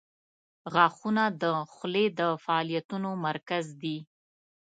• غاښونه د خولې د فعالیتونو مرکز دي.